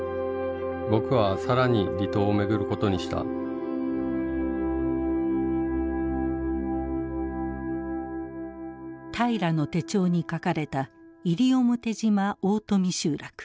僕は更に離島をめぐることにした平良の手帳に書かれた西表島大富集落。